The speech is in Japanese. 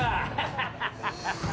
ハハハハ。